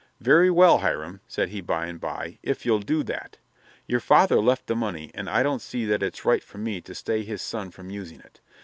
"Very well, Hiram," said he by and by, "if you'll do that. Your father left the money, and I don't see that it's right for me to stay his son from using it.